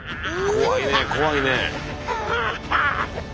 怖いね怖いね。